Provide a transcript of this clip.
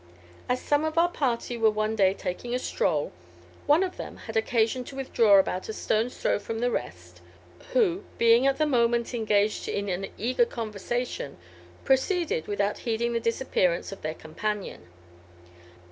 As some of our party were one day taking a stroll, one of them had occasion to withdraw about a stone's throw from the rest, who, being at the moment engaged in an eager conversation, proceeded without heeding the disappearance of their companion.